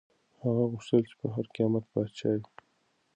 هغه غوښتل چي په هر قیمت پاچا وي.